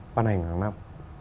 ban hành hàng năm